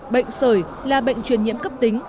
bệnh sởi là bệnh truyền nhiễm cấp tính